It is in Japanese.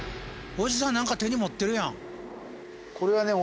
おじさん何か手に持ってるやん。